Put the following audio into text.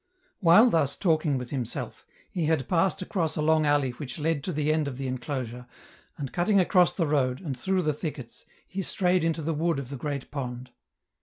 While thus talking with himself, he had passed across a long alley which led to the end ofthe enclosure, and, cutting across the road, and through the thickets, he strayed into the wood of the great pond.